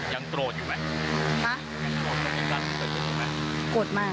ยังโตดอยู่ไหม